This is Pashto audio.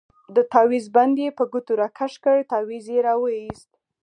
د تاويز بند يې په ګوتو راكښ كړ تاويز يې راوايست.